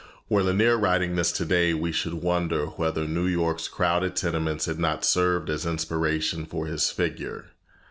Were Lanier writing this today, we should wonder whether New York's crowded tenements had not served as inspiration for his figure.